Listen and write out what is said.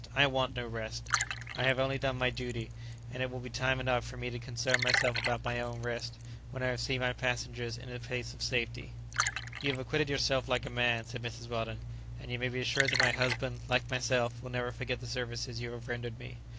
I want no rest. I have only done my duty, and it will be time enough for me to concern myself about my own rest, when I have seen my passengers in a place of safety." "You have acquitted yourself like a man," said Mrs. Weldon; "and you may be assured that my husband, like myself, will never forget the services you have rendered me.